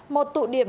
tội đánh bạc di định